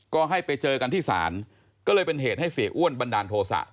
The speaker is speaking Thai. ก็ให้ไปเจอกันที่ศาลก็เลยเป็นเหตุให้เสียอ้วนบันดาลโทษะ